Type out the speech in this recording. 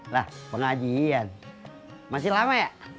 lah pengajian masih lama ya